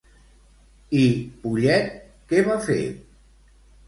I Pollet què va fer?